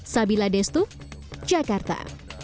sabila destu jakarta